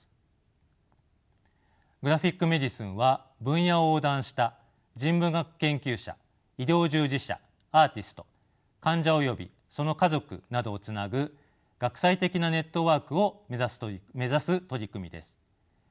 グラフィック・メディスンは分野を横断した人文学研究者医療従事者アーティスト患者およびその家族などをつなぐ学際的なネットワークを目指す取り組みです。